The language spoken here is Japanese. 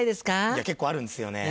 いや結構あるんですよね。